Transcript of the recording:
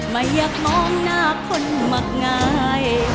ไม่ยากมองหน้าคนมั่งไอ